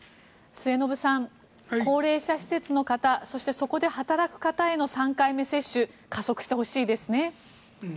末延さん、高齢者施設の方そしてそこで働く方への３回目接種加速してほしいですね。